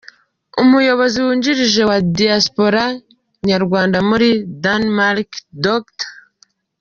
Umuyobozi wungirije wa Diaspora Nyarwanda muri Danemark, Dr.